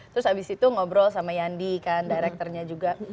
terus habis itu ngobrol sama yandi kan directornya juga